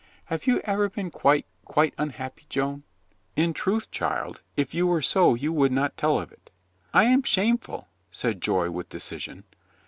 Have you ever been quite, quite unhappy, Joan?" "In truth, child, if you were so you would not tell of it." "I am shameful," said Joy with decision.